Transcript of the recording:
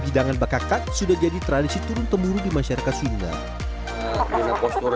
hidangan bakakat sudah jadi tradisi turun temurun di masyarakat sunda posturnya aja bagus posturnya